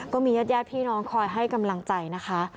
ก็มีญาติพี่น้องคอยให้กำลังใจนะคะ